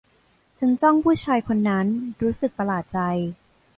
ฉันจ้องผู้ชายคนนั้น รู้สึกประหลาดใจ